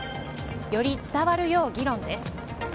より伝わるよう議論です。